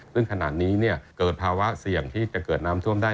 ซึ่งขนาดนี้เกิดภาวะเสี่ยงที่จะเกิดน้ำท่วมได้